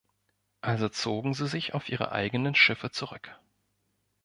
Also zogen sie sich auf ihre eigenen Schiffe zurück.